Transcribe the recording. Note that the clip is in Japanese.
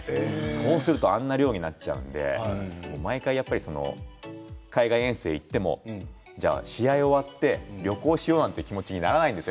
そうするとあんな量になっちゃうんで毎回、海外遠征に行っても試合が終わって旅行しようという気にならないんですよ。